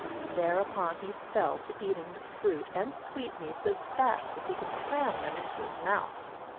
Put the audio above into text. Thereupon he fell to eating the fruit and sweetmeats as fast as he could cram them into his mouth.